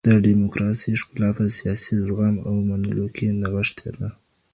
د ډيموکراسۍ ښکلا په سياسي زغم او منلو کي نغښتې ده.